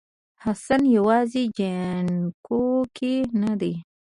حسن یوازې جینکو کې نه دی